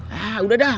ya udah dah